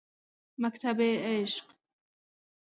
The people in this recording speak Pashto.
مکتبِ عشق